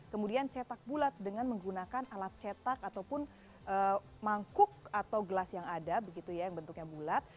kemudian cetak bulat dengan menggunakan alat cetak ataupun mangkuk atau gelas yang ada begitu ya yang bentuknya bulat